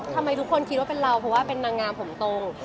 ทำไมทุกคนคิดว่าเป็นเราเพราะว่าเป็นนางงามผมตรง